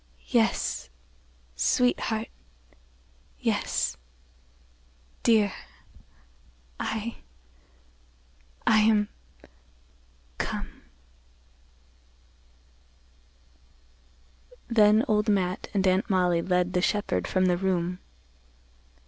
Yes—sweetheart—yes, dear. I—I am—com—" Then, Old Matt and Aunt Mollie led the shepherd from the room.